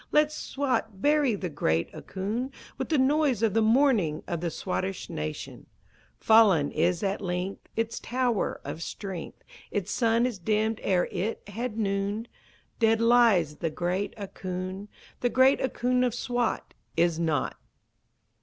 Let Swat bury the great Ahkoond With the noise of the mourning of the Swattish nation! Fallen is at length Its tower of strength, Its sun is dimmed ere it had nooned; Dead lies the great Ahkoond, The great Ahkoond of Swat Is not!